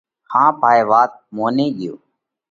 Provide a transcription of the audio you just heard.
ۿاپ هائي وات موني ڳيو۔